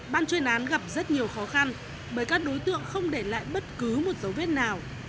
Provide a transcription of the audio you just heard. ban chuyên án gặp rất nhiều khó khăn bởi các đối tượng không để lại bất cứ một dấu vết nào